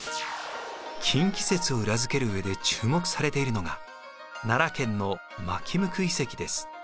近畿説を裏付ける上で注目されているのが奈良県の纏向遺跡です。